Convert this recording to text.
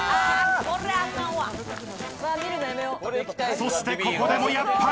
そして、ここでもやっぱり。